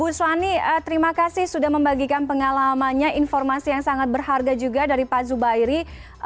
bu suwani terima kasih sudah membagikan pengalamannya informasi yang sangat berharga juga dari pak zubairi